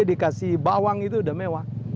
dikasih bawang itu udah mewah